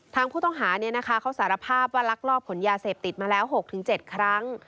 ทางผู้ต้องหาเขาสารภาพว่าลักลอบขนยาเสพติดมาแล้ว๖๗ครั้ง